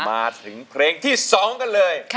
มาถึงเพลงที่๒กันเลย